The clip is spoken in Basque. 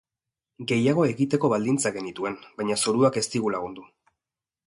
Gehiago egiteko baldintzak genituen baina zoruak ez digu lagundu.